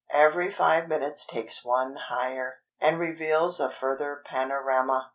Every five minutes takes one higher, and reveals a further panorama.